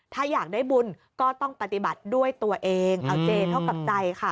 ถ้าอยากได้บุญก็ต้องปฏิบัติด้วยตัวเองเอาเจเท่ากับใจค่ะ